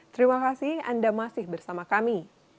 terima kasih anda masih bersama kami